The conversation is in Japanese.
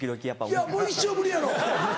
いやもう一生無理やろ。